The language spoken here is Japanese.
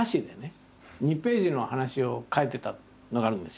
２ページの話を描いてたのがあるんですよ。